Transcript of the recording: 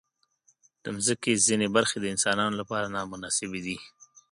د مځکې ځینې برخې د انسانانو لپاره نامناسبې دي.